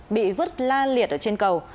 bị vứt la liệt trên cầu